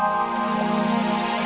atau dengan kontrol menyebutkan